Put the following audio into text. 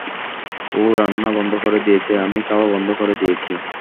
ও রান্না বন্ধ করে দিয়েছে, আমি খাওয়া বন্ধ করে দিয়েছি।